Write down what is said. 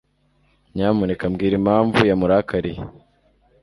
Nyamuneka mbwira impamvu yamurakariye.